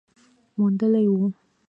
موندلې وه